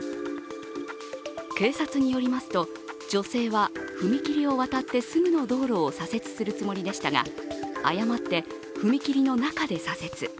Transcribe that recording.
警察によりますと、女性は踏切を渡ってすぐの道路を左折するつもりでしたが、誤って踏切の中で左折。